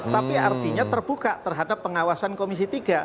tapi artinya terbuka terhadap pengawasan komisi tiga